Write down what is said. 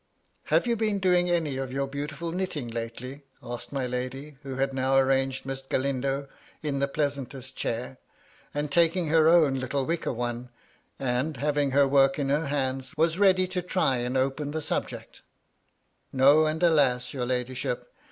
" Have you been doing any of your beautifiil knitting lately ?" asked my lady, who had now arranged Miss Galindo in the pleasantest chahr, and taken her own little wicker work one, and, having her work in her hands, was ready to try and open the subject ^ No, and alas ! your ladyship.